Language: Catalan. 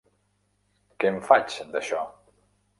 Què en faig d'això?